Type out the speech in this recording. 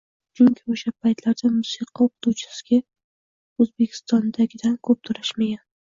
Chunki oʻsha paytlarda musiqa oʻqituvchisiga Oʻzbekistondagidan koʻp toʻlashmagan.